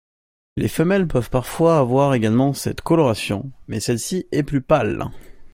Les femelles peuvent parfois avoir également cette coloration, mais celle-ci est plus pale.